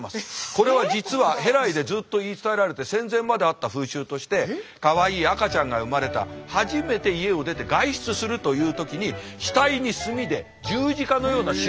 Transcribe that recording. これは実は戸来でずっと言い伝えられて戦前まであった風習としてかわいい赤ちゃんが生まれた初めて家を出て外出するという時に額に墨で十字架のような印をつけた。